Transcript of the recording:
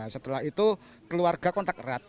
setelah itu keluarga kontak erat